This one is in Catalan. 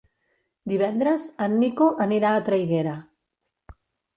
Divendres en Nico anirà a Traiguera.